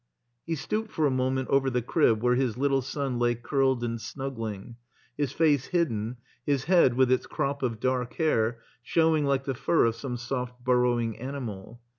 He stooped for a moment over the crib where his little son lay curled and snuggling, his face hidden, his head, with its crop of dark hair, showing like the fur of some soft bturowing animal.